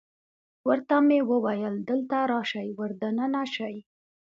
ورته مې وویل: دلته راشئ، ور دننه شئ.